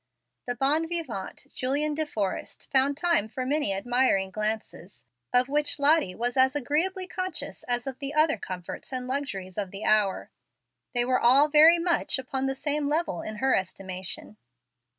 The bon vivant, Julian De Forrest, found time for many admiring glances, of which Lottie was as agreeably conscious as of the other comforts and luxuries of the hour. They were all very much upon the same level in her estimation.